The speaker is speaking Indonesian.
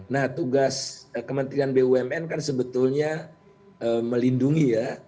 nah tugas kementerian bumn kan sebetulnya melindungi ya